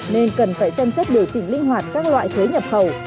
nên cần phải xem xét điều chỉnh linh hoạt các loại thuế nhập khẩu